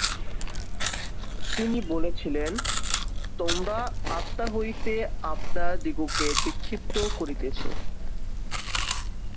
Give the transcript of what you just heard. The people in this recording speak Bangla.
তিনি বলেছিলেন, "তোমরা আত্মা হইতে আপনাদিগকে বিক্ষিপ্ত করিতেছ।"